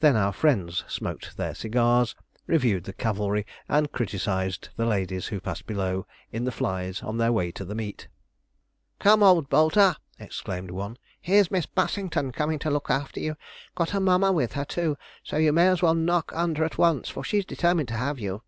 Then our friends smoked their cigars, reviewed the cavalry, and criticised the ladies who passed below in the flys on their way to the meet. 'Come, old Bolter!' exclaimed one, 'here's Miss Bussington coming to look after you got her mamma with her, too so you may as well knock under at once, for she's determined to have you.'